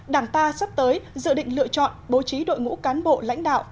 đảng ta sắp tới dự định lựa chọn bố trí đội ngũ cán bộ lãnh đạo